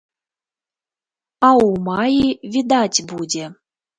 А ў маі відаць будзе.